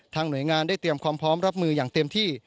หน่วยงานได้เตรียมความพร้อมรับมืออย่างเต็มที่